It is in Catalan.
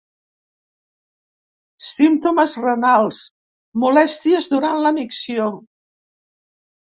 Símptomes renals: molèsties durant la micció.